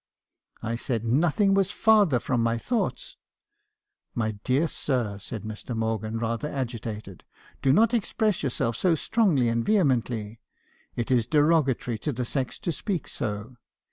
" I said nothing was farther from my thoughts. "'My dear sir,' said Mr. Morgan, rather agitated, 'do not express yourself so strongly and vehemently. It is derogatory to the sex to speak so.